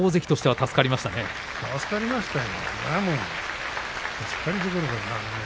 助かりましたよ。